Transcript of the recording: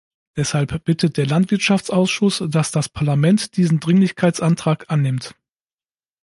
Deshalb bittet der Landwirtschaftsausschuss, dass das Parlament diesen Dringlichkeitsantrag annimmt.